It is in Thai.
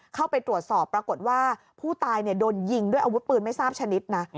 เข้าไปตรวจสอบปรากฏว่าผู้ตายโดนยิงด้วยอาวุธปืนไม่ทราบชนิดนะ